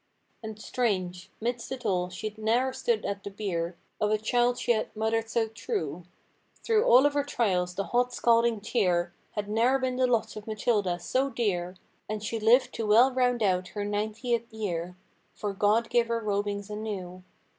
And strange, midst it all she'd ne'er stood at the bier. Of a child she had mothered so true. Through all of her trials the hot, scalding tear Had ne'er been the lot of Matilda, so dear. And she lived to well round out her ninetieth year 'Fore God gave her robings anew.